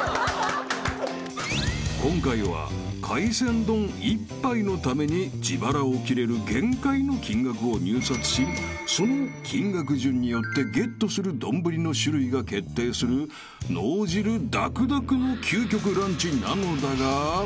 ［今回は海鮮丼１杯のために自腹を切れる限界の金額を入札しその金額順によってゲットする丼の種類が決定する脳汁ダクダクの究極ランチなのだが］